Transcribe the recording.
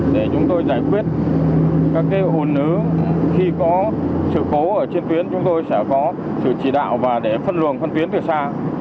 để chúng tôi giải quyết các hồn ứ khi có sự cố ở trên tuyến chúng tôi sẽ có sự chỉ đạo và để phân luồng phân tuyến từ xa